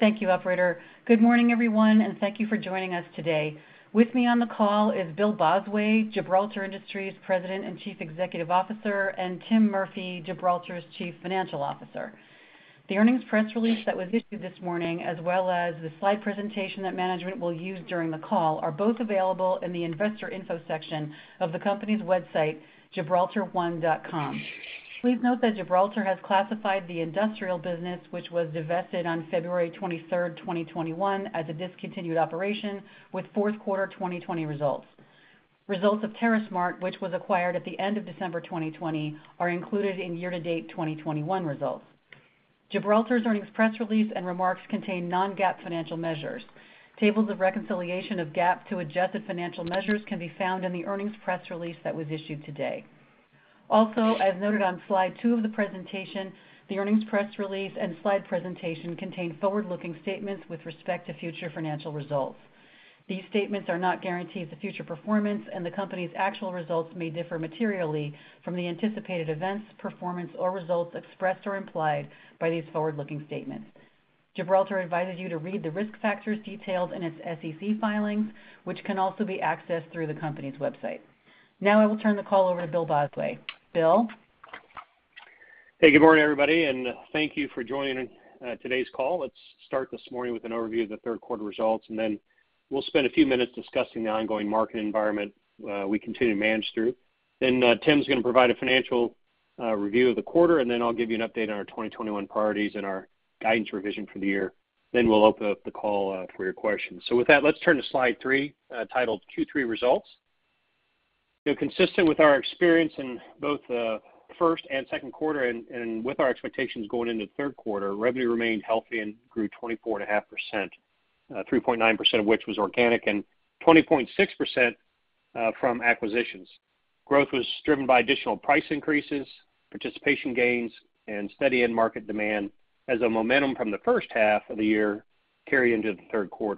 Good morning, everyone, and thank you for joining us today. With me on the call is Bill Bosway, Gibraltar Industries President and Chief Executive Officer, and Tim Murphy, Gibraltar's Chief Financial Officer. The earnings press release that was issued this morning, as well as the slide presentation that management will use during the call, are both available in the Investor Info section of the company's website, gibraltar1.com. Please note that Gibraltar has classified the industrial business, which was divested on February 23, 2021, as a discontinued operation with Q4 2020 results. Results of TerraSmart, which was acquired at the end of December 2020, are included in year-to-date 2021 results. Gibraltar's earnings press release and remarks contain non-GAAP financial measures. Tables of reconciliation of GAAP to adjusted financial measures can be found in the earnings press release that was issued today. As noted on slide two of the presentation, the earnings press release and slide presentation contain forward-looking statements with respect to future financial results. These statements are not guarantees of future performance, and the company's actual results may differ materially from the anticipated events, performance, or results expressed or implied by these forward-looking statements. Gibraltar advises you to read the risk factors detailed in its SEC filings, which can also be accessed through the company's website. Now I will turn the call over to Bill Bosway. Bill? Good morning, everybody, and thank you for joining today's call. Let's start this morning with an overview of the Q3 results, and then we'll spend a few minutes discussing the ongoing market environment we continue to manage through. Tim's going to provide a financial review of the quarter, and then I'll give you an update on our 2021 priorities and our guidance revision for the year. We'll open up the call for your questions. With that, let's turn to slide 3, titled Q3 Results. strong progress consistent with our experience in both the first and second, and with our expectations going into the Q3, revenue remained healthy and grew 24.5%, 3.9% of which was organic and 20.6% from acquisitions. Growth was driven by additional price increases, participation gains, and steady end market demand as the momentum from the first half of the year carried into the Q3.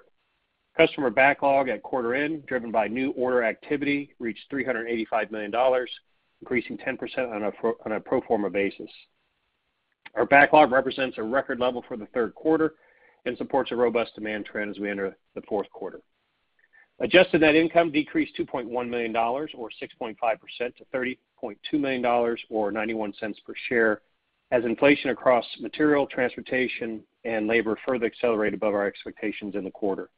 Customer backlog at quarter end, driven by new order activity, reached $385 million, increasing 10% on a pro forma basis. Our backlog represents a record level for the Q3 and supports a robust demand trend as we enter the Q4. Adjusted net income decreased $2.1 million or 6.5% to $30.2 million or $0.91 per share as inflation across material, transportation, and labor further accelerated above our expectations in the quarter.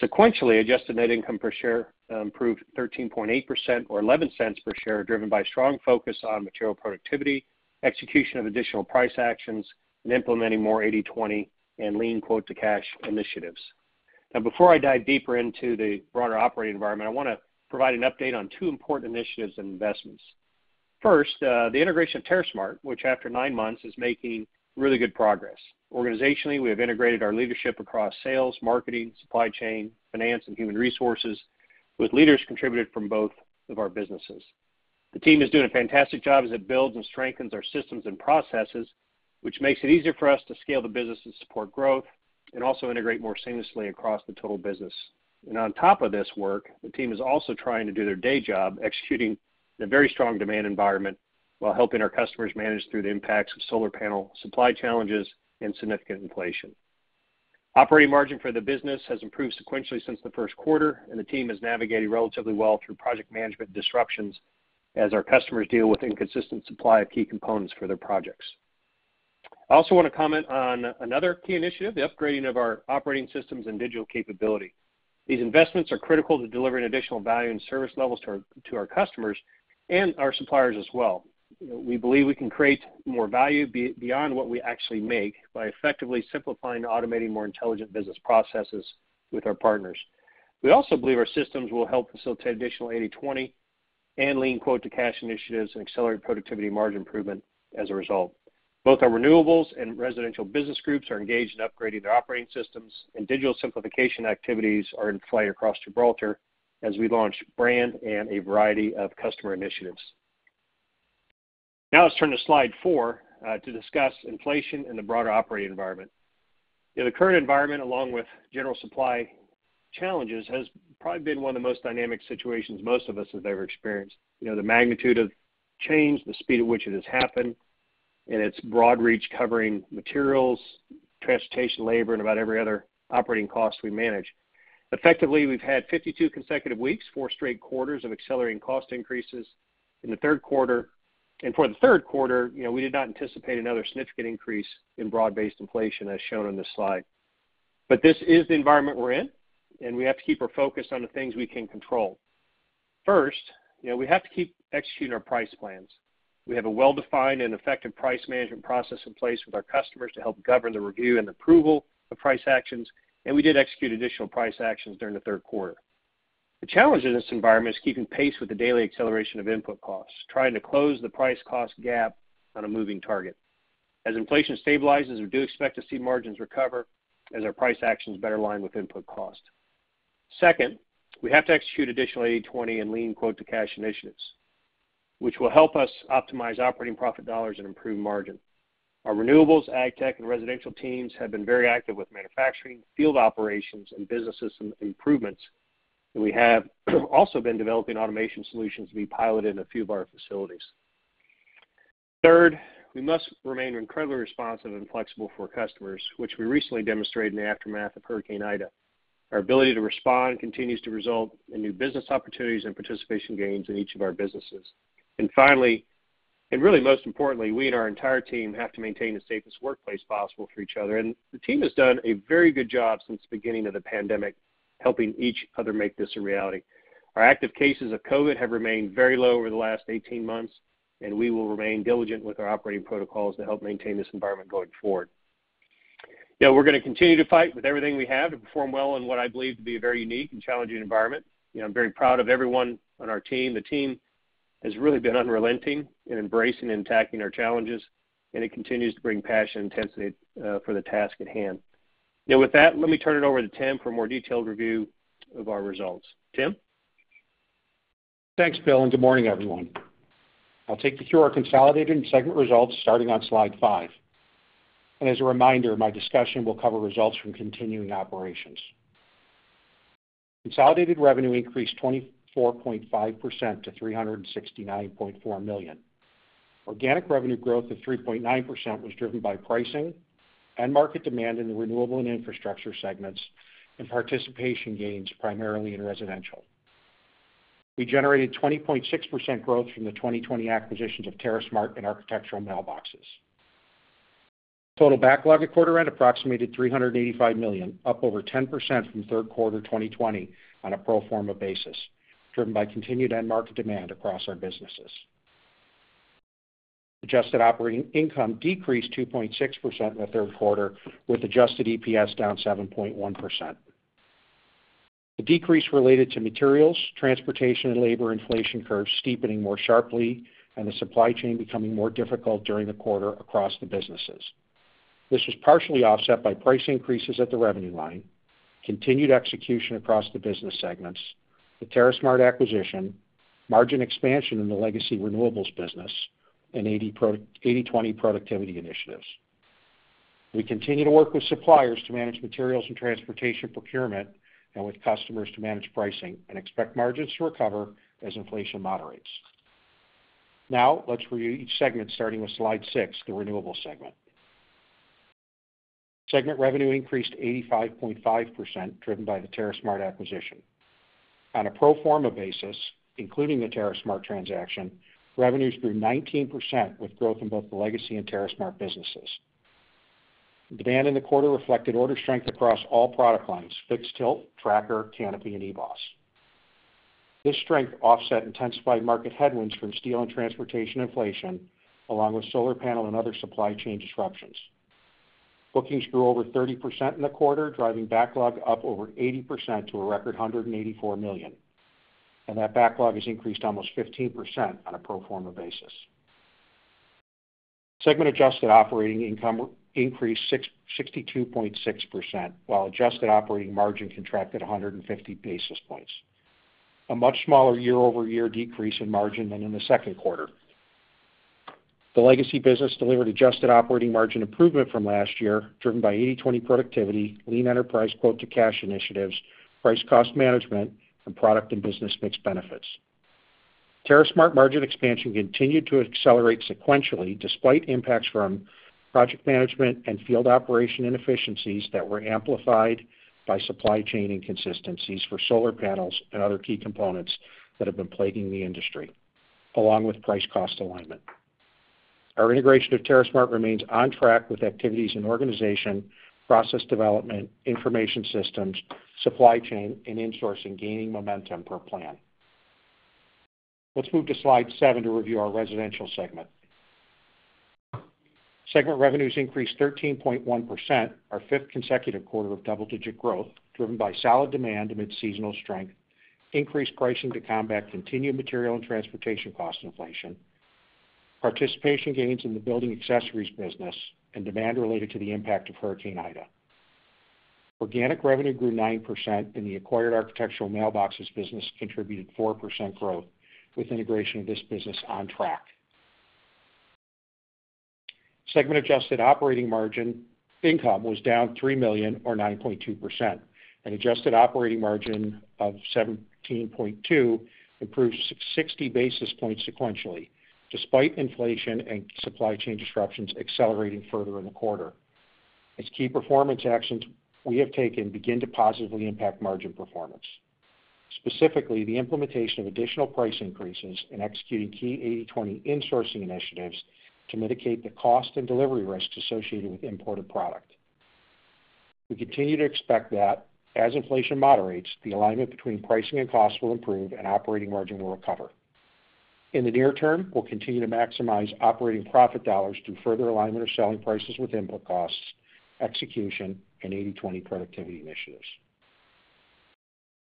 Sequentially, adjusted net income per share improved 13.8% or $0.11 per share, driven by strong focus on material productivity, execution of additional price actions, and implementing more 80/20 and lean quote-to-cash initiatives. Now, before I dive deeper into the broader operating environment, I wanna provide an update on two important initiatives and investments. First, the integration of TerraSmart, which after 9 months is making strong progress. Organizationally, we have integrated our leadership across sales, marketing, supply chain, finance, and human resources, with leaders contributing from both businesses. The team is doing a fantastic job as it builds and strengthens our systems and processes, which makes it easier to scale, support growth, and integrate more seamlessly across the business. On top of this work, the team is also continuing day-to-day operations executing the very strong demand environment while helping our customers manage through the impacts of solar panel supply challenges and significant inflation. Operating margin for the business has improved sequentially since the Q1, and the team is navigating relatively well through project management disruptions as our customers deal with inconsistent supply of key components for their projects. I also wanna comment on another key initiative, the upgrading of our operating systems and digital capability. These investments are critical to delivering additional value and service levels to our customers, and our suppliers as well. We believe we can create more value beyond what we actually make by effectively simplifying and automating more intelligent business processes with our partners. We also believe our systems will help facilitate additional 80/20 and lean quote-to-cash initiatives and accelerate productivity margin improvement as a result. Both our renewables and residential business groups are engaged in upgrading their operating systems and digital simplification activities are in play across Gibraltar as we launch brand and a variety of customer initiatives. Now let's turn to slide four to discuss inflation and the broader operating environment. The current environment, along with general supply challenges, has probably been one of the most dynamic situations most of us have ever experienced. strong progress the magnitude of change, the speed at which it has happened, and its broad reach covering materials, transportation, labor, and about every other operating cost we manage. Effectively, we've had 52 consecutive weeks, 4 straight quarters of accelerating cost increases in the Q3. For the Q3, strong progress we did not anticipate another significant increase in broad-based inflation, as shown on this slide. But this is the environment we're in, and we have to keep our focus on the things we can control. First, strong progress we have to keep executing our price plans. We have a well-defined and effective price management process in place with our customers to help govern the review and approval of price actions, and we did execute additional price actions during the Q3. the challenge in this environment is keeping pace with the daily acceleration of input costs, trying to close the price-cost gap on a moving target. As inflation stabilizes, we do expect to see margins recover as our price actions better align with input costs. Second, we have to execute additional 80/20 and lean quote-to-cash initiatives, which will help us optimize operating profit dollars and improve margin. Our renewables, Agtech, and residential teams have been very active with manufacturing, field operations, and business system improvements, and we have also been developing automation solutions to be piloted in a few of our facilities. Third, we must remain incredibly responsive and flexible for our customers, which we recently demonstrated in the aftermath of Hurricane Ida. Our ability to respond continues to result in new business opportunities and participation gains in each of our businesses. Finally, and really most importantly, we and our entire team have to maintain the safest workplace possible for each other, and the team has done a very good job since the beginning of the pandemic, helping each other make this a reality. Our active cases of COVID have remained very low over the last 18 months, and we will remain diligent with our operating protocols to help maintain this environment going forward. Now, we're going to continue to fight with everything we have to perform well in what I believe to be a very unique and challenging environment. strong progress I'm very proud of everyone on our team. The team has really been unrelenting in embracing and attacking our challenges, and it continues to bring passion intensity for the task at hand. Now, with that, let me turn it over to Tim for a more detailed review of our results. Tim? Thanks, Bill, and good morning, everyone. I'll take you through our consolidated and segment results starting on slide 5. As a reminder, my discussion will cover results from continuing operations. Consolidated revenue increased 24.5% to $369.4 million. Organic revenue growth of 3.9% was driven by pricing and market demand in the renewable and infrastructure segments and participation gains primarily in residential. We generated 20.6% growth from the 2020 acquisitions of TerraSmart and Architectural Mailboxes. Total backlog at quarter end approximated $385 million, up over 10% from Q3 2020 on a pro forma basis, driven by continued end market demand across our businesses. Adjusted operating income decreased 2.6% in the Q3, with adjusted EPS down 7.1%. The decrease related to materials, transportation, and labor inflation curves steepening more sharply and the supply chain becoming more difficult during the quarter across the businesses. This was partially offset by price increases at the revenue line, continued execution across the business segments, the TerraSmart acquisition, margin expansion in the legacy Renewables business, and 80/20 productivity initiatives. We continue to work with suppliers to manage materials and transportation procurement and with customers to manage pricing and expect margins to recover as inflation moderates. Now, let's review each segment starting with slide 6, the Renewables segment. Segment revenue increased 85.5%, driven by the TerraSmart acquisition. On a pro forma basis, including the TerraSmart transaction, revenues grew 19% with growth in both the legacy and TerraSmart businesses. Demand in the quarter reflected order strength across all product lines, fixed-tilt, tracker, canopy, and eBOS. This strength offset intensified market headwinds from steel and transportation inflation, along with solar panel and other supply chain disruptions. Bookings grew over 30% in the quarter, driving backlog up over 80% to a record $184 million, and that backlog has increased almost 15% on a pro forma basis. Segment adjusted operating income increased 62.6%, while adjusted operating margin contracted 150 basis points, a much smaller year-over-year decrease in margin than in the Q2. The legacy business delivered adjusted operating margin improvement from last year, driven by 80/20 productivity, lean enterprise quote-to-cash initiatives, price cost management, and product and business mix benefits. TerraSmart margin expansion continued to accelerate sequentially, despite impacts from project management and field operation inefficiencies that were amplified by supply chain inconsistencies for solar panels and other key components that have been plaguing the industry, along with price cost alignment. Our integration of TerraSmart remains on track with activities in organization, process development, information systems, supply chain, and insourcing gaining momentum per plan. Let's move to slide 7 to review our residential segment. Segment revenues increased 13.1%, our fifth consecutive quarter of double-digit growth, driven by solid demand amid seasonal strength, increased pricing to combat continued material and transportation cost inflation, participation gains in the building accessories business, and demand related to the impact of Hurricane Ida. Organic revenue grew 9%, and the acquired Architectural Mailboxes business contributed 4% growth with integration of this business on track. Segment adjusted operating margin income was down $3 million or 9.2%, an adjusted operating margin of 17.2% improved 60 basis points sequentially, despite inflation and supply chain disruptions accelerating further in the quarter as key performance actions we have taken begin to positively impact margin performance, specifically the implementation of additional price increases and executing key 80/20 insourcing initiatives to mitigate the cost and delivery risks associated with imported product. We continue to expect that as inflation moderates, the alignment between pricing and costs will improve and operating margin will recover. In the near term, we'll continue to maximize operating profit dollars through further alignment of selling prices with input costs, execution and 80/20 productivity initiatives.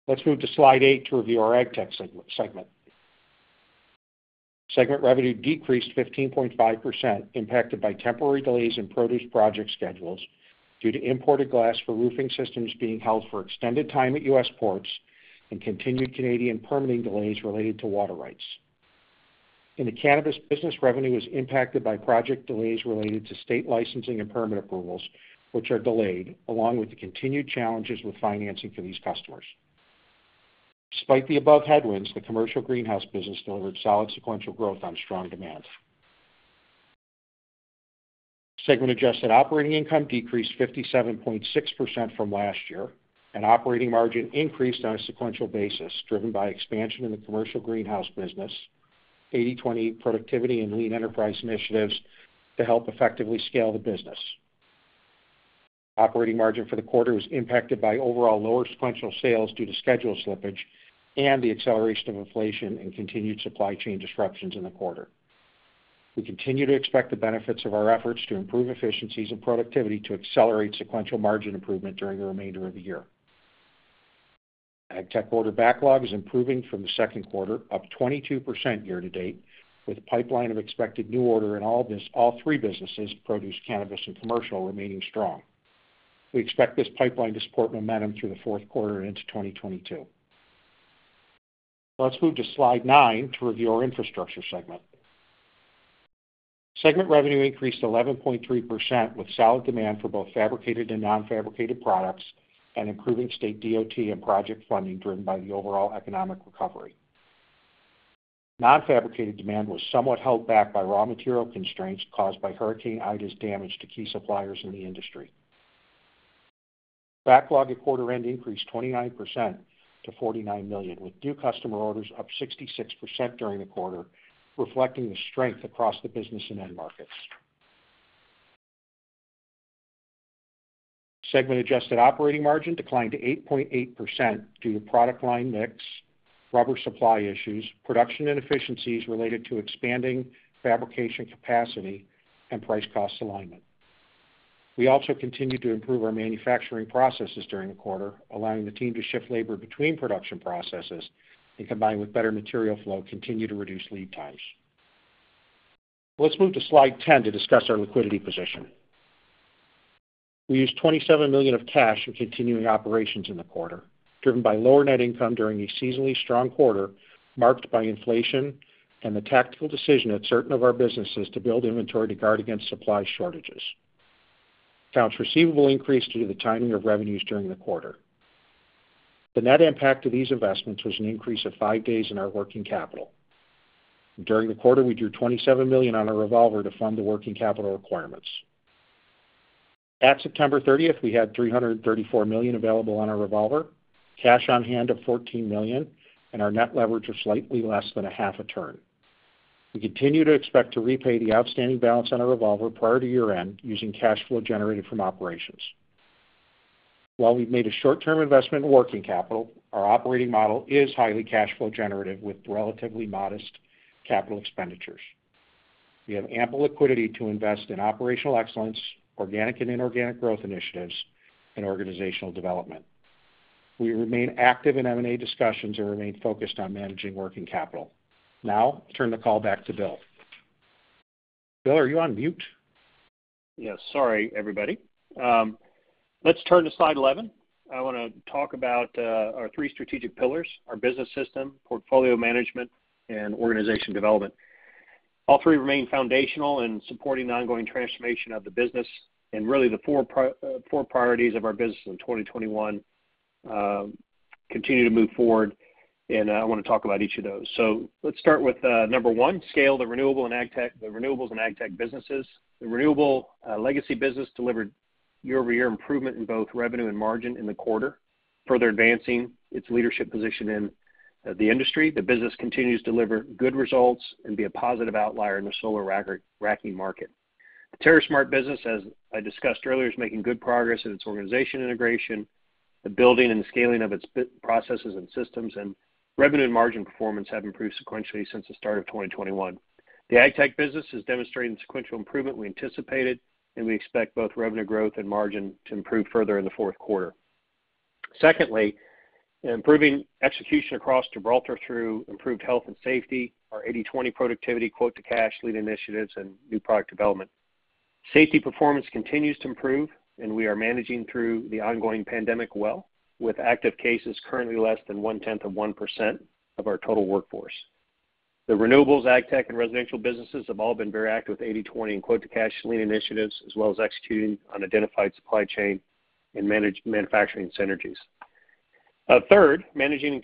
Let's move to slide 8 to review our AgTech segment. Segment revenue decreased 15.5%, impacted by temporary delays in produce project schedules due to imported glass for roofing systems being held for extended time at U.S. ports and continued Canadian permitting delays related to water rights. In the cannabis business, revenue was impacted by project delays related to state licensing and permit approvals, which are delayed along with the continued challenges with financing for these customers. Despite the above headwinds, the commercial greenhouse business delivered solid sequential growth on strong demand. Segment adjusted operating income decreased 57.6% from last year, and operating margin increased on a sequential basis, driven by expansion in the commercial greenhouse business, 80/20 productivity and lean enterprise initiatives to help effectively scale the business. Operating margin for the quarter was impacted by overall lower sequential sales due to schedule slippage and the acceleration of inflation and continued supply chain disruptions in the quarter. We continue to expect the benefits of our efforts to improve efficiencies and productivity to accelerate sequential margin improvement during the remainder of the year. AgTech order backlog is improving from the Q2, up 22% year to date, with a pipeline of expected new order in all three businesses, produce, cannabis, and commercial, remaining strong. We expect this pipeline to support momentum through the Q4 and into 2022. Let's move to slide 9 to review our infrastructure segment. Segment revenue increased 11.3% with solid demand for both fabricated and non-fabricated products and improving state DOT and project funding driven by the overall economic recovery. Non-fabricated demand was somewhat held back by raw material constraints caused by Hurricane Ida's damage to key suppliers in the industry. Backlog at quarter end increased 29% to $49 million, with new customer orders up 66% during the quarter, reflecting the strength across the business and end markets. Segment adjusted operating margin declined to 8.8% due to product line mix, rubber supply issues, production inefficiencies related to expanding fabrication capacity, and price cost alignment. We also continued to improve our manufacturing processes during the quarter, allowing the team to shift labor between production processes and combined with better material flow, continue to reduce lead times. Let's move to slide 10 to discuss our liquidity position. We used $27 million of cash from continuing operations in the quarter, driven by lower net income during a seasonally strong quarter marked by inflation and the tactical decision at certain of our businesses to build inventory to guard against supply shortages. Accounts receivable increased due to the timing of revenues during the quarter. The net impact of these investments was an increase of five days in our working capital. During the quarter, we drew $27 million on our revolver to fund the working capital requirements. At September thirtieth, we had $334 million available on our revolver, cash on hand of $14 million, and our net leverage of slightly less than a half a turn. We continue to expect to repay the outstanding balance on our revolver prior to year-end using cash flow generated from operations. While we've made a short-term investment in working capital, our operating model is highly cash flow generative with relatively modest capital expenditures. We have ample liquidity to invest in operational excellence, organic and inorganic growth initiatives, and organizational development. We remain active in M&A discussions and remain focused on managing working capital. Now I'll turn the call back to Bill. Yes. Sorry, everybody. Let's turn to slide 11. I wanna talk about our three strategic pillars, our business system, portfolio management, and organization development. All three remain foundational in supporting the ongoing transformation of the business, and really the four priorities of our business in 2021 continue to move forward, and I wanna talk about each of those. Let's start with number one, scale the renewables and AgTech businesses. The renewable legacy business delivered year-over-year improvement in both revenue and margin in the quarter, further advancing its leadership position in the industry. The business continues to deliver good results and be a positive outlier in the solar racking market. The TerraSmart business, as I discussed earlier, is making good progress in its organizational integration, the building and scaling of its business processes and systems, and revenue and margin performance have improved sequentially since the start of 2021. The AgTech business is demonstrating sequential improvement we anticipated, and we expect both revenue growth and margin to improve further in the Q4. Secondly, improving execution across Gibraltar through improved health and safety, our 80/20 productivity quote-to-cash lean initiatives, and new product development. Safety performance continues to improve, and we are managing through the ongoing pandemic well, with active cases currently less than 0.1% of our total workforce. The renewables, AgTech, and residential businesses have all been very active with 80/20 and quote-to-cash lean initiatives, as well as executing on identified supply chain and manufacturing synergies. Third, managing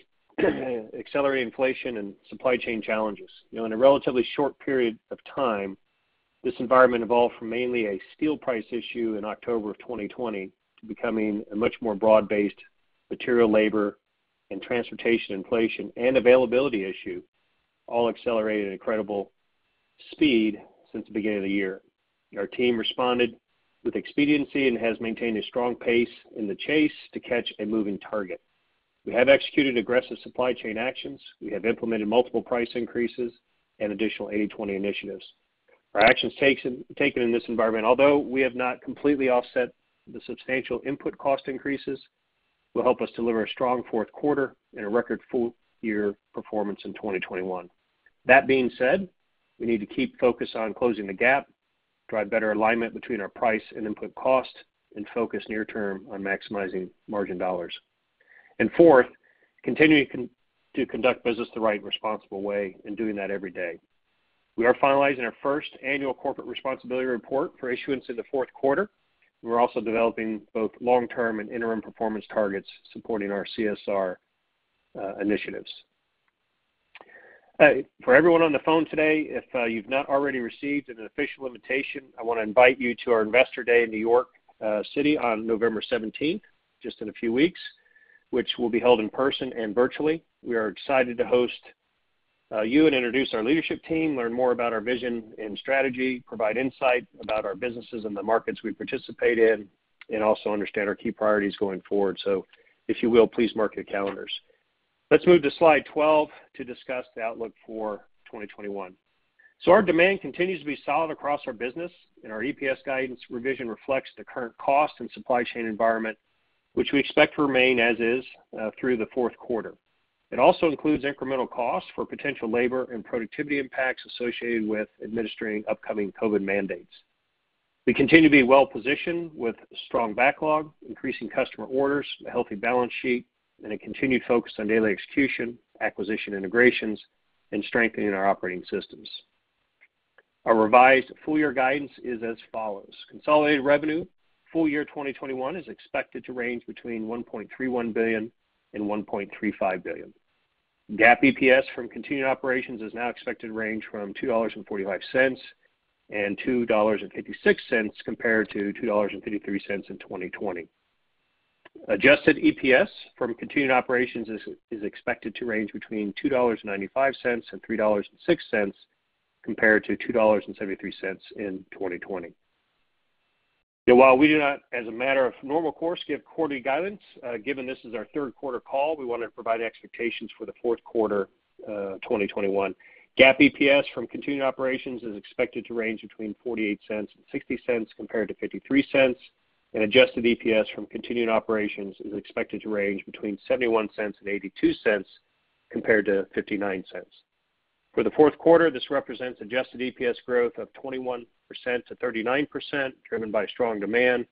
accelerated inflation and supply chain challenges. strong progress in a relatively short period of time, this environment evolved from mainly a steel price issue in October of 2020 to becoming a much more broad-based material, labor, and transportation inflation and availability issue, all accelerated at incredible speed since the beginning of the year. Our team responded with expediency and has maintained a strong pace in the chase to catch a moving target. We have executed aggressive supply chain actions. We have implemented multiple price increases and additional 80/20 initiatives. Our actions taken in this environment, although we have not completely offset the substantial input cost increases, will help us deliver a strong Q4 and a record full year performance in 2021. That being said, we need to keep focus on closing the gap, drive better alignment between our price and input cost, and focus near term on maximizing margin dollars. Fourth, continuing to conduct business the right and responsible way and doing that every day. We are finalizing our first annual corporate responsibility report for issuance in the Q4. We're also developing both long-term and interim performance targets supporting our CSR initiatives. For everyone on the phone today, if you've not already received an official invitation, I wanna invite you to our Investor Day in New York City on November seventeenth, just in a few weeks, which will be held in person and virtually. We are excited to host you and introduce our leadership team, learn more about our vision and strategy, provide insight about our businesses and the markets we participate in, and also understand our key priorities going forward. If you will, please mark your calendars. Let's move to slide 12 to discuss the outlook for 2021. Our demand continues to be solid across our business, and our EPS guidance revision reflects the current cost and supply chain environment, which we expect to remain as is through the Q4. It also includes incremental costs for potential labor and productivity impacts associated with administering upcoming COVID mandates. We continue to be well-positioned with strong backlog, increasing customer orders, a healthy balance sheet, and a continued focus on daily execution, acquisition integrations, and strengthening our operating systems. Our revised full year guidance is as follows: Consolidated revenue full year 2021 is expected to range between $1.31 billion-$1.35 billion. GAAP EPS from continued operations is now expected to range from $2.45 and $2.56 compared to $2.53 in 2020. Adjusted EPS from continuing operations is expected to range between $2.95 and $3.06 compared to $2.73 in 2020. While we do not, as a matter of normal course, give quarterly guidance, given this is our Q3 call, we wanted to provide expectations for the Q4 2021. GAAP EPS from continuing operations is expected to range between $0.48 and $0.60 compared to $0.53. Adjusted EPS from continuing operations is expected to range between $0.71 and $0.82 compared to $0.59. For the Q4, this represents adjusted EPS growth of 21%-39%, driven by strong demand,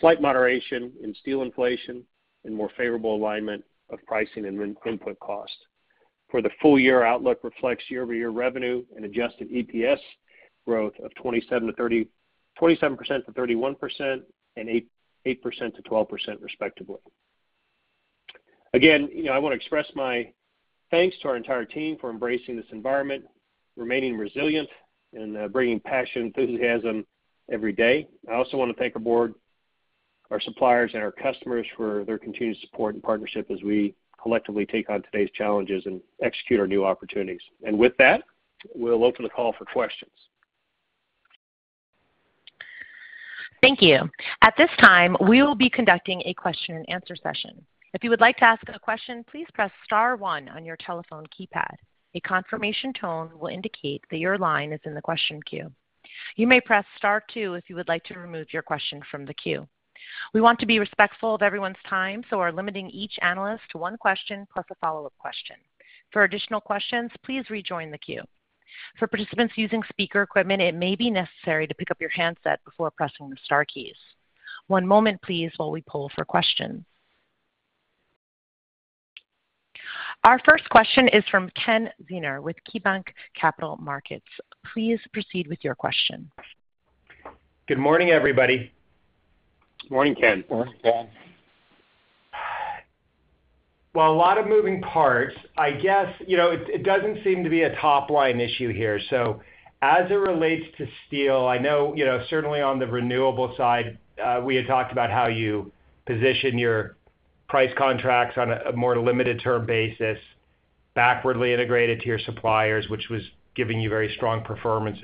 slight moderation in steel inflation, and more favorable alignment of pricing and input costs. Our full year outlook reflects year-over-year revenue and adjusted EPS growth of 27%-31% and 8%-12%, respectively. Again, strong progress I wanna express my thanks to our entire team for embracing this environment, remaining resilient, and bringing passion and enthusiasm every day. I also wanna thank our board, our suppliers, and our customers for their continued support and partnership as we collectively take on today's challenges and execute our new opportunities. With that, we'll open the call for questions. Good morning, everybody. Morning, Ken. Morning, Ken. Well, a lot of moving parts. I guess, strong progress it doesn't seem to be a top-line issue here. As it relates to steel, I know, strong progress certainly on the renewable side, we had talked about how you position your price contracts on a more limited term basis, backwardly integrated to your suppliers, which was giving you very strong performance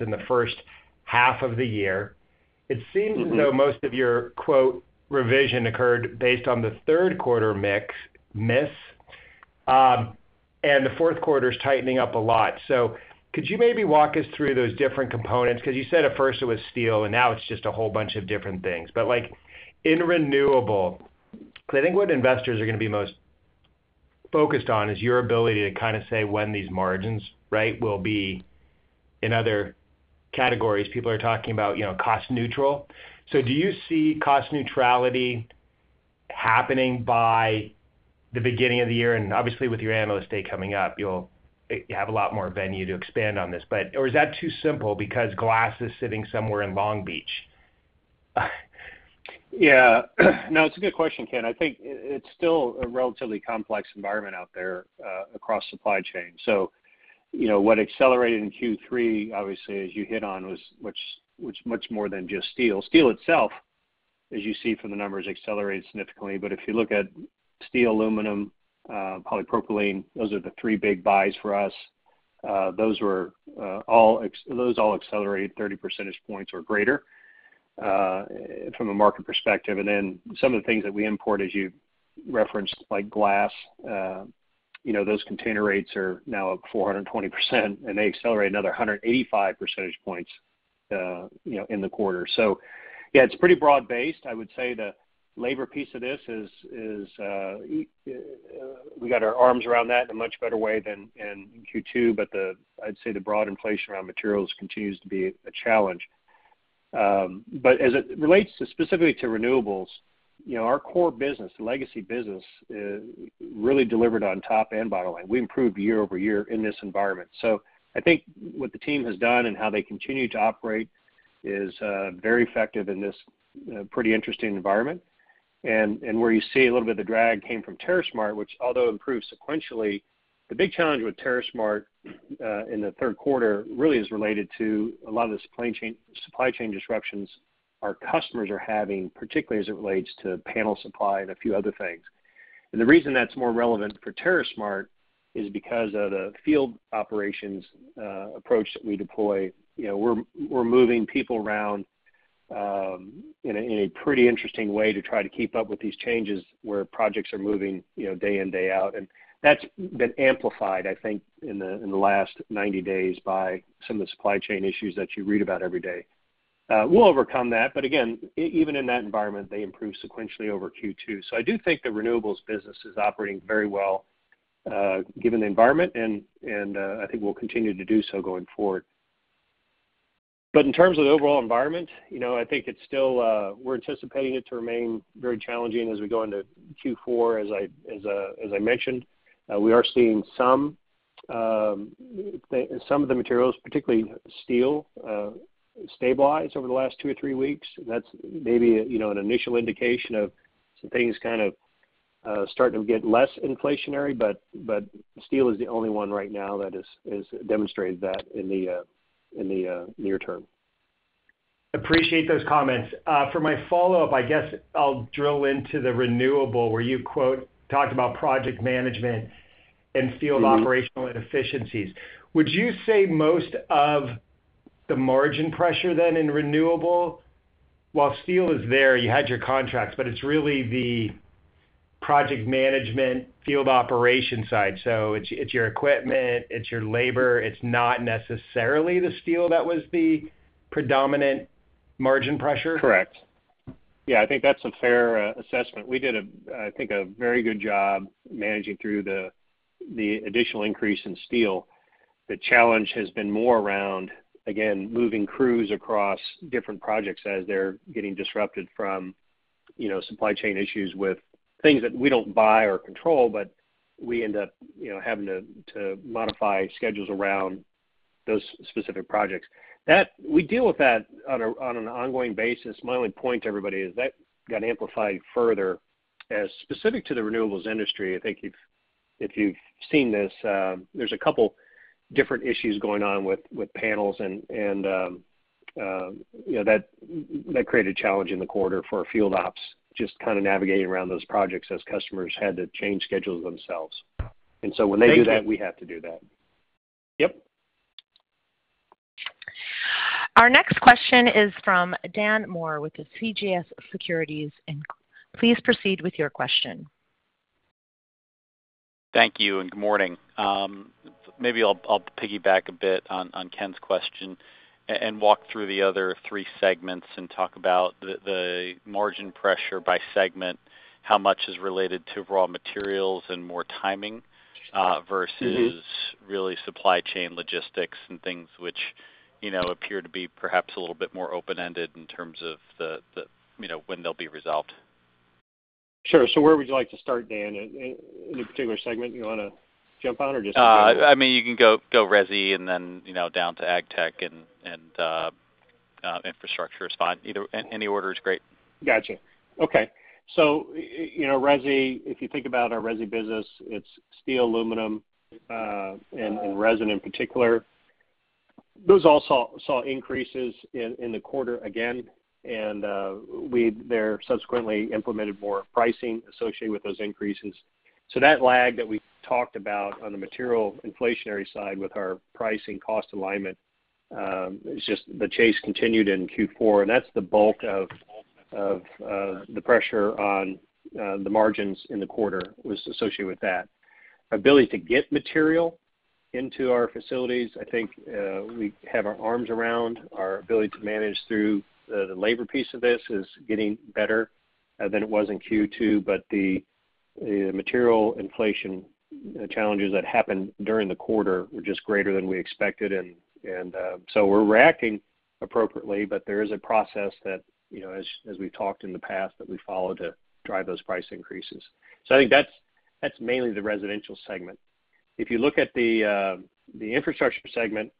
in the first half of the year. It seems. Mm-hmm. As though most of your, quote, "revision" occurred based on the Q3 mix miss. The Q4's tightening up a lot. Could you maybe walk us through those different components? 'Cause you said at first it was steel, and now it's just a whole bunch of different things. Like, in renewable, 'cause I think what investors are going to be most focused on is your ability to indicate when these margins, right, will be in other categories. People are talking about, strong progress cost neutral. Do you see cost neutrality happening by the beginning of the year? Obviously, with your Analyst Day coming up, you have a lot more venue to expand on this. Is that too simple because glass is sitting somewhere in Long Beach? Yes, that is a good question, Ken. I think it's still a relatively complex environment out there across supply chain. strong progress what accelerated in Q3, obviously, as you hit on, was much more than just steel. Steel itself, as you see from the numbers, accelerated significantly. But if you look at steel, aluminum, polypropylene, those are the three big buys for us. Those all accelerated 30 percentage points or greater from a market perspective. And then some of the things that we import, as you referenced, like glass, strong progress those container rates are now up 420%, and they accelerated another 185 percentage points in the quarter. Yeah, it's pretty broad-based. I would say the labor piece of this is we have improved visibility on that in a much better way than in Q2, but I'd say the broad inflation around materials continues to be a challenge. But as it relates specifically to renewables, strong progress our core business, legacy business, really delivered on top and bottom line. We improved year over year in this environment. I think what the team has done and how they continue to operate is very effective in this pretty interesting environment. Where you see a little bit of the drag came from TerraSmart, which although improved sequentially, the big challenge with TerraSmart in the Q3 really is related to a lot of the supply chain disruptions our customers are having, particularly as it relates to panel supply and a few other things. The reason that's more relevant for TerraSmart is because of the field operations approach that we deploy. strong progress we're moving people around in a pretty interesting way to try to keep up with these changes where projects are moving, strong progress day in, day out. That's been amplified, I think, in the last 90 days by some of the supply chain issues that you read about every day. We'll overcome that, but again, even in that environment, they improved sequentially over Q2. I do think the renewables business is operating very well, given the environment, and I think we'll continue to do so going forward. In terms of the overall environment, strong progress I think it's still, we're anticipating it to remain very challenging as we go into Q4. As I mentioned, we are seeing some of the materials, particularly steel, stabilize over the last two or three weeks. That's maybe, strong progress an initial indication of some things kind of starting to get less inflationary, but steel is the only one right now that has demonstrated that in the near term. appreciate those comments. For my follow-up, I guess I'll drill into the renewable, where you quote "talked about project management and field operational inefficiencies." Would you say most of the margin pressure then in renewable, while steel is there, you had your contracts, but it's really the project management field operation side. It's your equipment, it's your labor, it's not necessarily the steel that was the predominant margin pressure? Correct. Yeah, I think that's a fair assessment. We did a, I think, a very good job managing through the additional increase in steel. The challenge has been more around, again, moving crews across different projects as they're getting disrupted from, strong progress supply chain issues with things that we don't buy or control, but we end up, strong progress having to modify schedules around those specific projects. That we deal with that on a, on an ongoing basis. My only point to everybody is that got amplified further as specific to the renewables industry. I think if you've seen this, there's a couple different issues going on with panels and, strong progress that created a challenge in the quarter for field ops, just kind of navigating around those projects as customers had to change schedules themselves. When they do that, we have to do that. Yep. Thank you, and good morning. Maybe I'll piggyback a bit on Ken's question and walk through the other three segments and talk about the margin pressure by segment, how much is related to raw materials and more timing versus really supply chain logistics and things which, strong progress appear to be perhaps a little bit more open-ended in terms of the strong progress when they'll be resolved. Sure. Where would you like to start, Dan? Any particular segment you want to jump on or just- I mean, you can go resi and then, strong progress down to AgTech and infrastructure is fine. Any order is great. Got you. Okay. strong progress resi, if you think about our resi business, it's steel, aluminum, and resin in particular. Those all saw increases in the quarter again. We subsequently implemented more pricing associated with those increases. That lag that we talked about on the material inflationary side with our pricing cost alignment is just the chase continued in Q4, and that's the bulk of the pressure on the margins in the quarter was associated with that. The ability to get material into our facilities, I think, we have our arms around. Our ability to manage through the labor piece of this is getting better than it was in Q2. The material inflation challenges that happened during the quarter were just greater than we expected. We're reacting appropriately, but there is a process that, strong progress as we've talked in the past, that we follow to drive those price increases. I think that's mainly the residential segment. If you look at the infrastructure segment, strong progress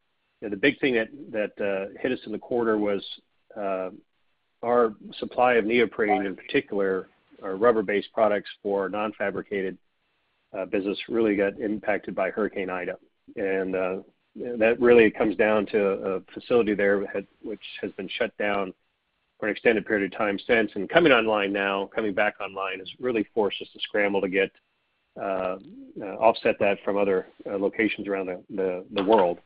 the big thing that hit us in the quarter was our supply of neoprene, in particular, our rubber-based products for non-fabricated business really got impacted by Hurricane Ida. That really comes down to a facility there which has been shut down for an extended period of time since. Coming back online has really forced us to scramble to get offset that from other locations around the world.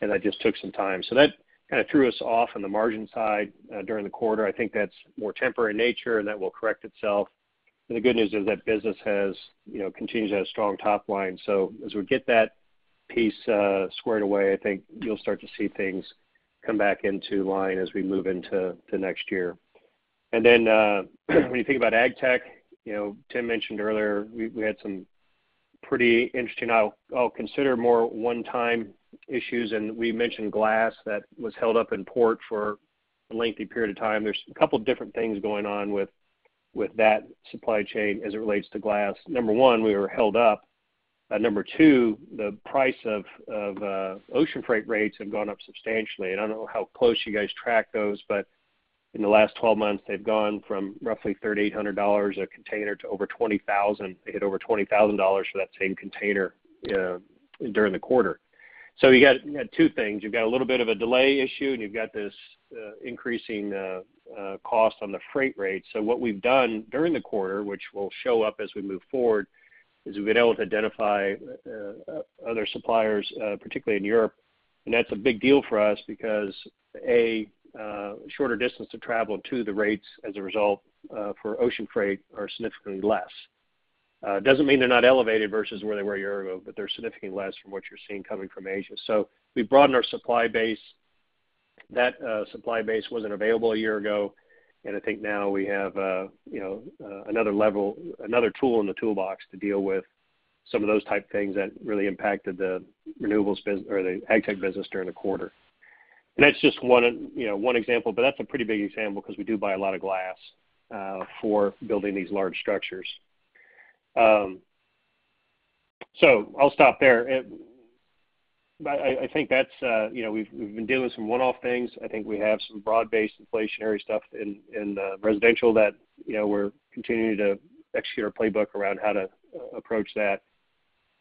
That just took some time. That kind of threw us off on the margin side during the quarter. I think that's more temporary in nature, and that will correct itself. The good news is that business has, strong progress continues to have strong top line. As we get that piece squared away, I think you'll start to see things come back into line as we move into the next year. When you think about ag tech, strong progress Tim mentioned earlier we had some pretty interesting. I'll consider more one-time issues, and we mentioned glass that was held up in port for a lengthy period of time. There's a couple different things going on with that supply chain as it relates to glass. Number one, we were held up. Number two, the price of ocean freight rates have gone up substantially. I don't know how close you guys track those, but in the last 12 months, they've gone from roughly $3,800 a container to over $20,000. They hit over $20,000 for that same container during the quarter. You got two things. You've got a little bit of a delay issue, and you've got this increasing cost on the freight rate. What we've done during the quarter, which will show up as we move forward, is we've been able to identify other suppliers, particularly in Europe. That's a big deal for us because, A, shorter distance of travel, and two, the rates as a result for ocean freight are significantly less. It doesn't mean they're not elevated versus where they were a year ago, but they're significantly less from what you're seeing coming from Asia. We've broadened our supply base. That supply base wasn't available a year ago, and I think now we have, strong progress another level, another tool in the toolbox to deal with some of those type things that really impacted the renewables or the AgTech business during the quarter. That's just one, strong progress one example, but that's a pretty big example because we do buy a lot of glass for building these large structures. I'll stop there. I think that's, strong progress we've been dealing with some one-off things. I think we have some broad-based inflationary stuff in residential that, strong progress we're continuing to execute our playbook around how to approach that.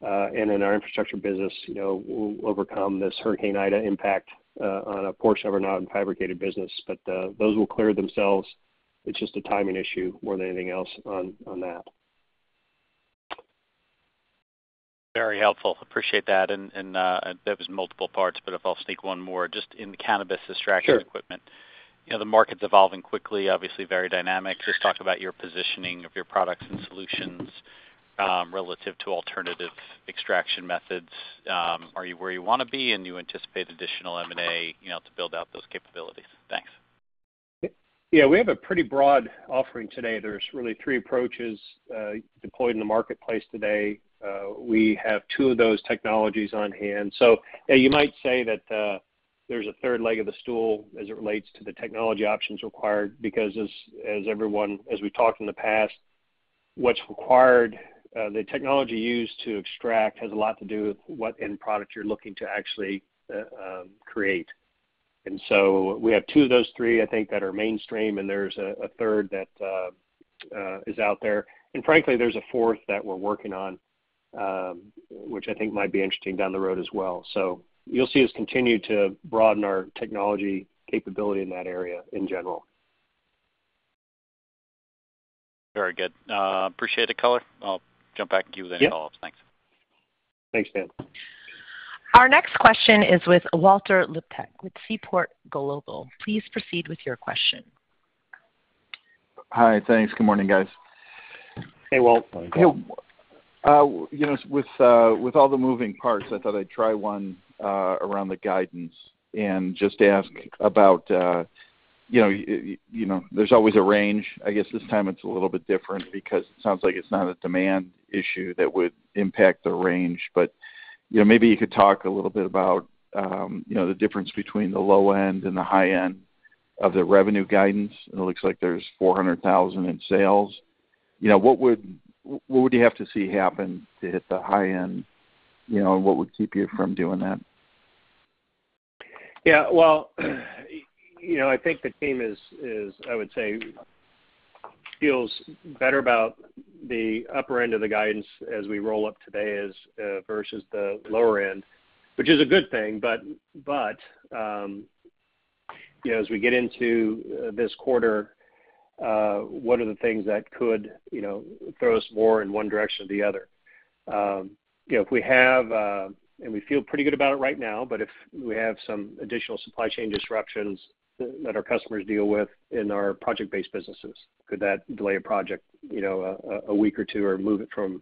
In our infrastructure business, strong progress we'll overcome this Hurricane Ida impact on a portion of our non-fabricated business. Those will clear themselves. It's just a timing issue more than anything else on that. Very helpful. Appreciate that. That was multiple parts, but if I'll sneak one more just in the cannabis extraction equipment. Sure. strong progress the market's evolving quickly, obviously very dynamic. Sure. Just talk about your positioning of your products and solutions, relative to alternative extraction methods. Are you where you want to be, and you anticipate additional M&A, strong progress to build out those capabilities? Thanks. Yeah, we have a pretty broad offering today. There's really three approaches deployed in the marketplace today. We have two of those technologies on hand. You might say that there's a third leg of the stool as it relates to the technology options required because as everyone, as we've talked in the past, what's required, the technology used to extract has a lot to do with what end product you're looking to actually create. We have two of those three, I think, that are mainstream, and there's a third that is out there. Frankly, there's a fourth that we're working on, which I think might be interesting down the road as well. You'll see us continue to broaden our technology capability in that area in general. Very good. I appreciate the color. I'll jump back and give you the follow-ups. Yeah. Thanks. Thanks, Dan. Hi. Thanks. Good morning, guys. Hey, Walt. Morning, Walt. strong progress with all the moving parts, I thought I'd try one around the guidance and just ask about strong progress strong progress there's always a range. I guess this time it's a little bit different because it sounds like it's not a demand issue that would impact the range. strong progress maybe you could talk a little bit about strong progress the difference between the low end and the high end of the revenue guidance. It looks like there's $400,000 in sales. strong progress what would you have to see happen to hit the high end? strong progress and what would keep you from doing that? Yeah. Well, strong progress I think the team is, I would say, feels better about the upper end of the guidance as we roll up today versus the lower end, which is a good thing. strong progress as we get into this quarter, what are the things that could, strong progress throw us more in one direction or the other? strong progress we feel pretty good about it right now, but if we have some additional supply chain disruptions that our customers deal with in our project-based businesses, could that delay a project, strong progress a week or two, or move it from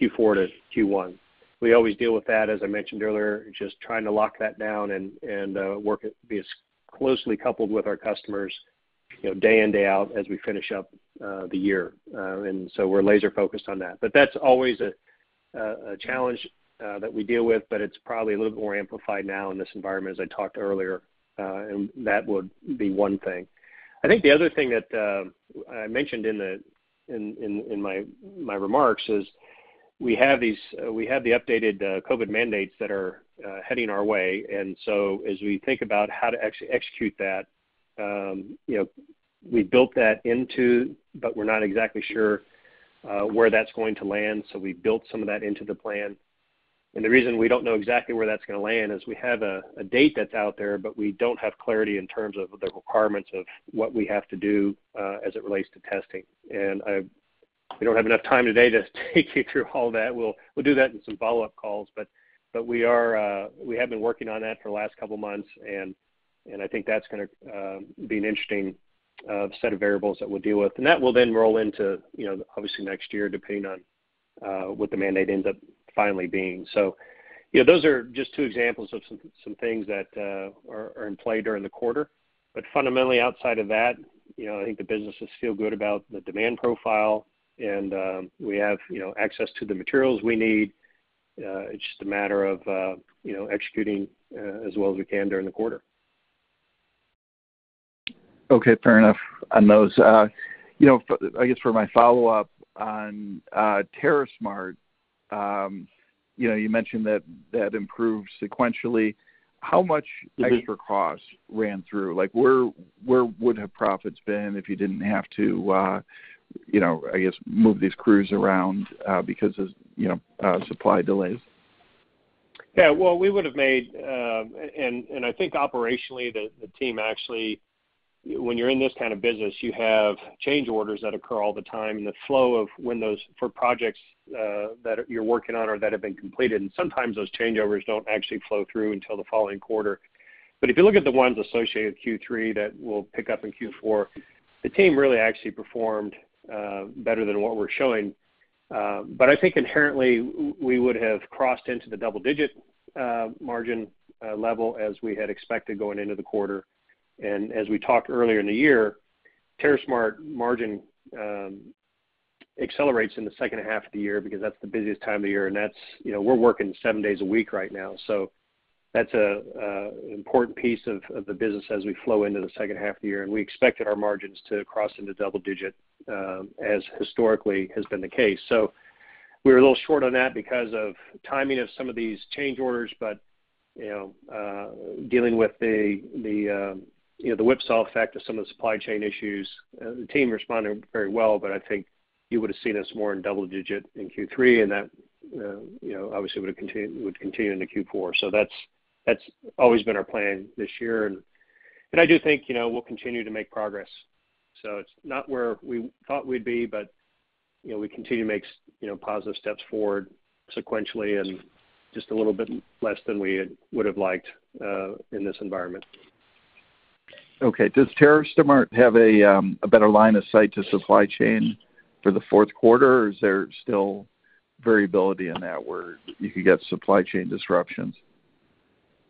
Q4 to Q1? We always deal with that, as I mentioned earlier, just trying to lock that down and be as closely coupled with our customers, strong progress day in, day out as we finish up the year. We're laser focused on that. That's always a challenge that we deal with, but it's probably a little bit more amplified now in this environment as I talked earlier. That would be one thing. I think the other thing that I mentioned in my remarks is we have the updated COVID mandates that are heading our way. As we think about how to actually execute that, strong progress we built that into, but we're not exactly sure where that's going to land, so we built some of that into the plan. The reason we don't know exactly where that's going to land is we have a date that's out there, but we don't have clarity in terms of the requirements of what we have to do as it relates to testing. We don't have enough time today to take you through all that. We'll do that in some follow-up calls. We have been working on that for the last couple months, and I think that's going to be an interesting set of variables that we'll deal with. That will then roll into, strong progress obviously next year, depending on what the mandate ends up finally being. strong progress those are just two examples of some things that are in play during the quarter. Fundamentally, outside of that, strong progress I think the businesses feel good about the demand profile and we have, strong progress access to the materials we need. It's just a matter of, strong progress executing as well as we can during the quarter. Okay, fair enough on those. strong progress I guess for my follow-up on TerraSmart, strong progress you mentioned that that improved sequentially. How much- Mm-hmm Extra costs ran through? Like, where would have profits been if you didn't have to, strong progress I guess, move these crews around, because of, strong progress supply delays? Well, I think operationally, the team actually, when you're in this kind of business, you have change orders that occur all the time, and the flow of when those for projects that you're working on or that have been completed, and sometimes those change orders don't actually flow through until the following quarter. If you look at the ones associated with Q3 that will pick up in Q4, the team really actually performed better than what we're showing. I think inherently, we would have crossed into the double-digit margin level as we had expected going into the quarter. As we talked earlier in the year, TerraSmart margin accelerates in the second half of the year because that's the busiest time of the year, and that's, strong progress we're working seven days a week right now. That's a important piece of the business as we flow into the second half of the year. We expected our margins to cross into double digit as historically has been the case. We were a little short on that because of timing of some of these change orders, but strong progress dealing with the whipsaw effect of some of the supply chain issues, the team responded very well, but I think you would've seen us more in double digit in Q3, and that strong progress obviously would have would continue into Q4. That's always been our plan this year. I do think, strong progress we'll continue to make progress. It's not where we thought we'd be, but, strong progress we continue to make positive steps forward sequentially and just a little bit less than we would have liked in this environment. Okay. Does TerraSmart have a better line of sight to supply chain for the Q4, or is there still variability in that where you could get supply chain disruptions?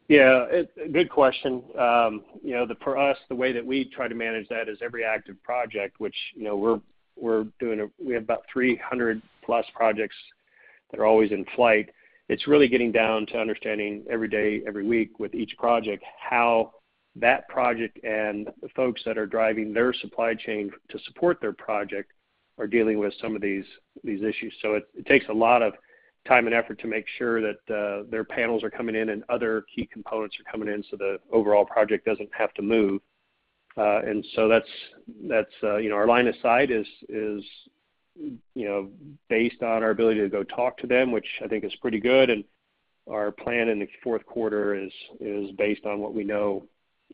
Good question. For us, the way that we try to manage that is every active project. We have about more than 300 projects that are always in flight. It's really getting down to understanding every day, every week with each project, how that project and the folks that are driving their supply chain to support their project are dealing with some of these issues. It takes a lot of time and effort to make sure that their panels are coming in and other key components are coming in, so the overall project doesn't have to move. That's our line of sight, strong progress based on our ability to go talk to them, which I think is pretty good. Our plan in the Q4 is based on what we know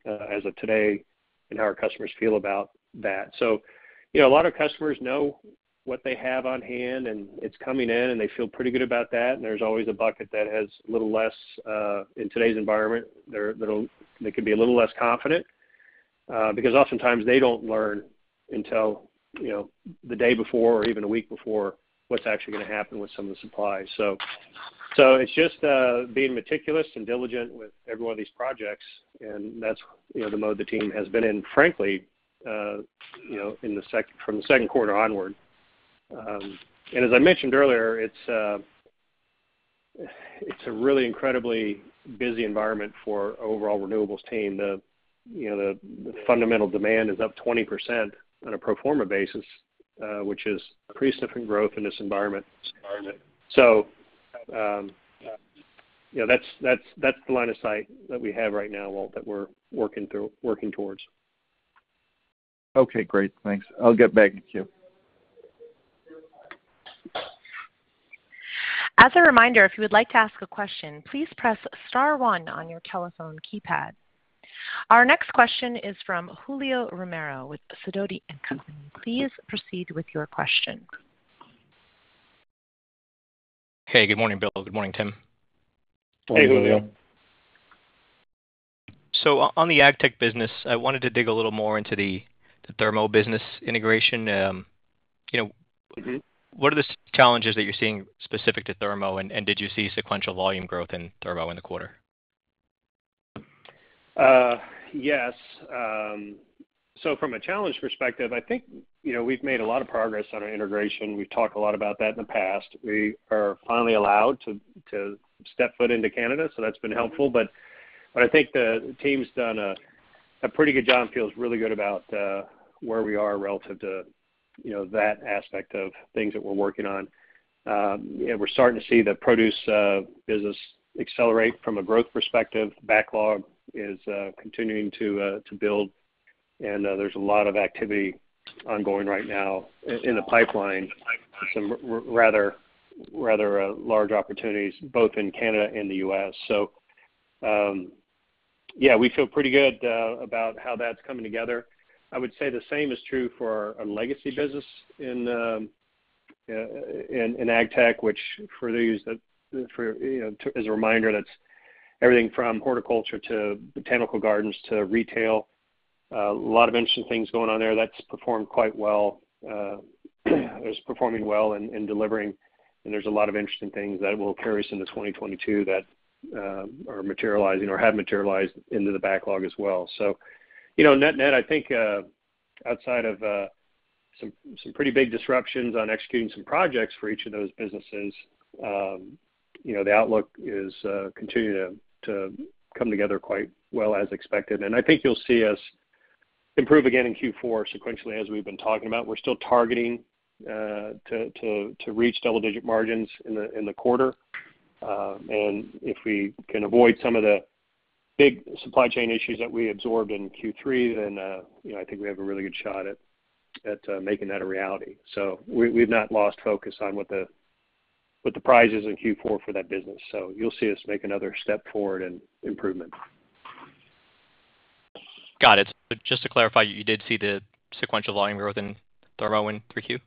as of today and how our customers feel about that. strong progress a lot of customers know what they have on hand, and it's coming in, and they feel pretty good about that. There's always a bucket that has a little less in today's environment. They could be a little less confident because oftentimes they don't learn until, strong progress the day before or even a week before what's actually going to happen with some of the supplies. It's just being meticulous and diligent with every one of these projects, and that's, strong progress the mode the team has been in, frankly, strong progress from the Q2 onward. As I mentioned earlier, it's a really incredibly busy environment for overall renewables team. The, strong progress the fundamental demand is up 20% on a pro forma basis, which is pretty significant growth in this environment. strong progress that's the line of sight that we have right now, Walt, that we're working through, working towards. Okay, great. Thanks. I'll get back in queue. Hey, good morning, Bill. Good morning, Tim. Hey, Julio. Morning, Julio. On the AgTech business, I wanted to dig a little more into the Thermo business integration. strong progress Mm-hmm What are the challenges that you're seeing specific to Thermo, and did you see sequential volume growth in Thermo in the quarter? Yes. So from a challenge perspective, I think, strong progress we've made a lot of progress on our integration. We've talked a lot about that in the past. We are finally allowed to step foot into Canada, so that's been helpful. I think the team's done a pretty good job and feels really good about where we are relative to, strong progress that aspect of things that we're working on. We're starting to see the produce business accelerate from a growth perspective. Backlog is continuing to build, and there's a lot of activity ongoing right now in the pipeline for some rather large opportunities both in Canada and the U.S. Yeah, we feel pretty good about how that's coming together. I would say the same is true for our legacy business in AgTech, which, for those that, strong progress as a reminder, that's everything from horticulture to botanical gardens to retail. A lot of interesting things going on there. That's performed quite well, it's performing well and delivering, and there's a lot of interesting things that will carry us into 2022 that are materializing or have materialized into the backlog as well. strong progress net-net, I think, outside of some pretty big disruptions on executing some projects for each of those businesses, strong progress the outlook is continuing to come together quite well as expected. I think you'll see us improve again in Q4 sequentially, as we've been talking about. We're still targeting to reach double-digit margins in the quarter. If we can avoid some of the big supply chain issues that we absorbed in Q3, then strong progress I think we have a really good shot at making that a reality. We've not lost focus on what the prize is in Q4 for that business. You'll see us make another step forward in improvement. Got it. Just to clarify, you did see the sequential volume growth in Thermo in 3Q?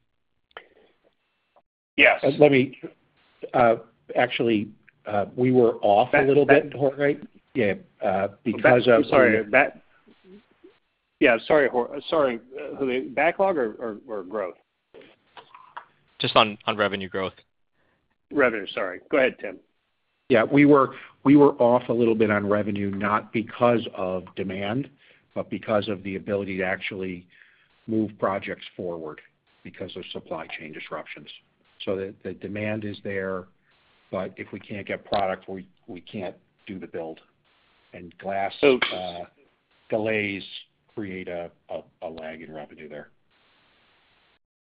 Yes. We were off a little bit, right? Yeah, because of- Yeah, sorry. Backlog or growth? Just on revenue growth. Revenue, sorry. Go ahead, Tim. Yeah. We were off a little bit on revenue, not because of demand, but because of the ability to actually move projects forward because of supply chain disruptions. The demand is there, but if we can't get product, we can't do the build. Glass delays create a lag in revenue there.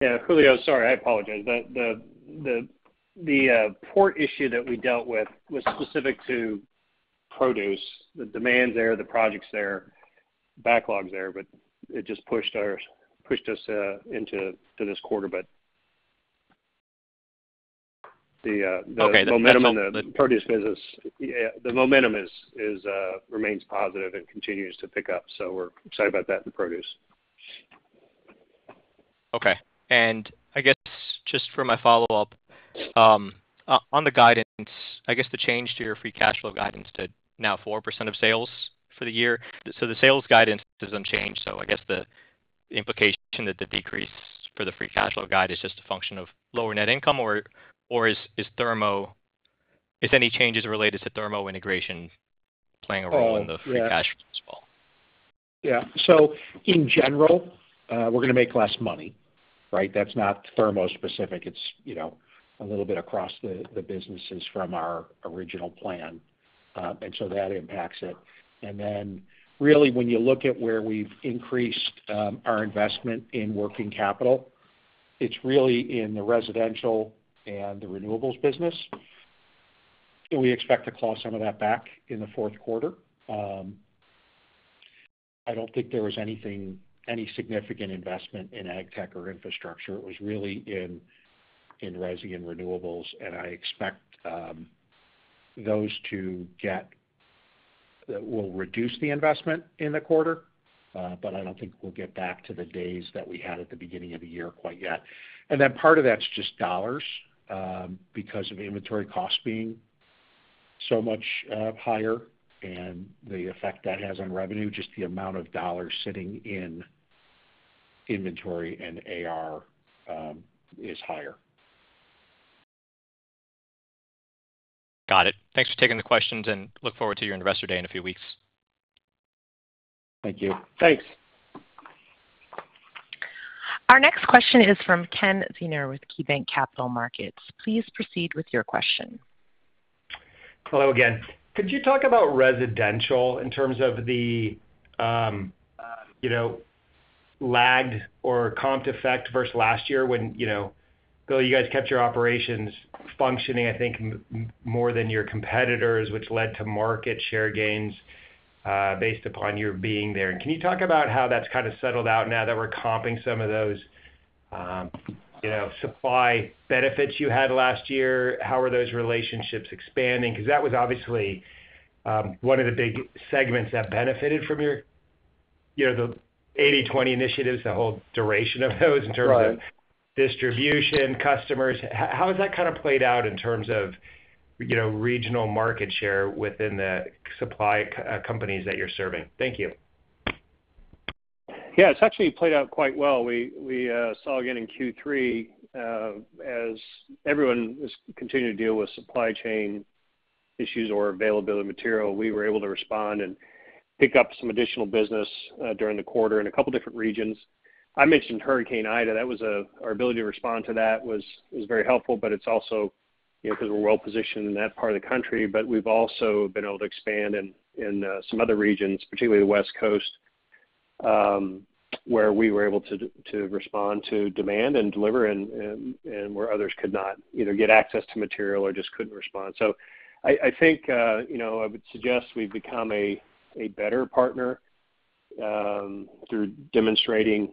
Yeah. Julio, sorry. I apologize. The port issue that we dealt with was specific to produce. The demand's there, the project's there, backlog's there, but it just pushed us into this quarter. The momentum in the produce business remains positive and continues to pick up. We're excited about that in produce. Okay. I guess just for my follow-up, on the guidance, I guess the change to your free cash flow guidance to now 4% of sales for the year. The sales guidance doesn't change, I guess the implication that the decrease for the free cash flow guide is just a function of lower net income, or is Thermo integration playing a role in the free cash flow as well? Yeah. In general, we're going to make less money, right? That's not thermo specific. It's, strong progress across the businesses from our original plan. That impacts it. Really when you look at where we've increased our investment in working capital, it's really in the residential and the renewables business. We expect to claw some of that back in the Q4. I don't think there was anything, any significant investment in ag tech or infrastructure. It was really in resi and renewables, and I expect we'll reduce the investment in the quarter, but I don't think we'll get back to the days that we had at the beginning of the year quite yet. Part of that's just dollars because of inventory costs being so much higher and the effect that has on revenue, just the amount of dollars sitting in inventory and AR is higher. Got it. Thanks for taking the questions, and look forward to your Investor Day in a few weeks. Thank you. Thanks. Hello again. Could you talk about residential in terms of the, strong progress lagged or comp effect versus last year when, strong progress Bill, you guys kept your operations functioning, I think, more than your competitors, which led to market share gains, based upon your being there. Can you talk about how that's kind of settled out now that we're comping some of those supply benefits you had last year? How are those relationships expanding? 'Cause that was obviously one of the big segments that benefited from your the 80/20 initiatives, the whole duration of those- Right. In terms of distribution, customers. How has that kind of played out in terms of, strong progress regional market share within the supply companies that you're serving? Thank you. Yeah. It's actually played out quite well. We saw again in Q3, as everyone is continuing to deal with supply chain issues or availability of material, we were able to respond and pick up some additional business during the quarter in a couple different regions. I mentioned Hurricane Ida. Our ability to respond to that was very helpful, but it's also, strong progress 'cause we're well positioned in that part of the country. We've also been able to expand in some other regions, particularly the West Coast, where we were able to respond to demand and deliver and where others could not either get access to material or just couldn't respond. I think I would suggest we've become a better partner through demonstrating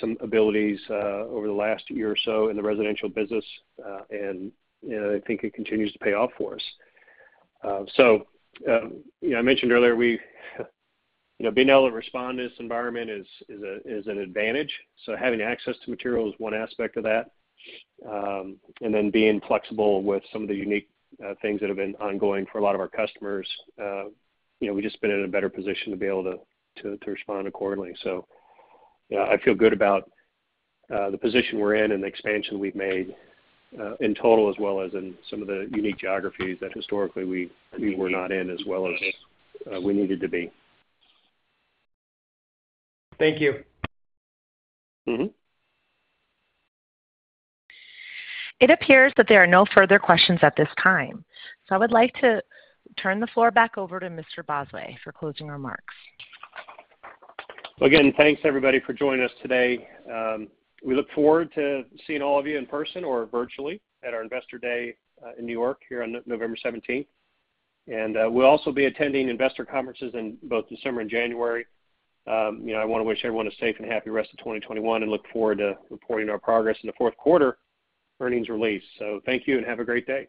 some abilities over the last year or so in the residential business. I think it continues to pay off for us. I mentioned earlier being able to respond to this environment is an advantage, so having access to material is one aspect of that, and then being flexible with some of the unique things that have been ongoing for a lot of our customers. We've just been in a better position to be able to respond accordingly. Yeah, I feel good about the position we're in and the expansion we've made in total, as well as in some of the unique geographies that historically we were not in as well as we needed to be. Thank you. Mm-hmm. Again, thanks everybody for joining us today. We look forward to seeing all of you in person or virtually at our Investor Day in New York here on November seventeenth. We'll also be attending investor conferences in both December and January. strong progress I wanna wish everyone a safe and happy remainder of 2021 and look forward to reporting our progress in the Q4 earnings release. Thank you and have a great day.